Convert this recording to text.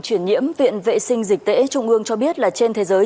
chuyển nhiễm viện vệ sinh dịch tễ trung ương cho biết là trên thế giới